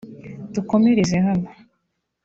(dukomereze hano)"